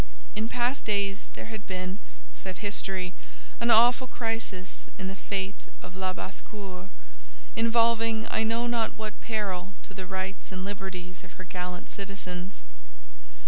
In past days there had been, said history, an awful crisis in the fate of Labassecour, involving I know not what peril to the rights and liberties of her gallant citizens.